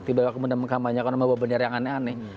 tiba tiba kemudian mengamanyakan nama nama beneran yang aneh aneh